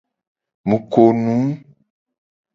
Mu ko nu.